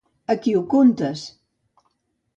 A qui ho contes?